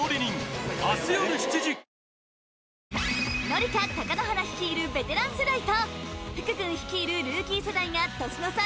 紀香貴乃花率いるベテラン世代と福くん率いるルーキー世代が年の差